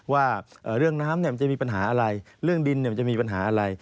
ว่าเรื่องน้ำมันจะมีปัญหาอะไรเรื่องดินมันจะมีปัญหาอะไร